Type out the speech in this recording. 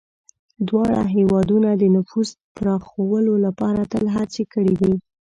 دواړه هېوادونه د نفوذ پراخولو لپاره تل هڅې کړي دي.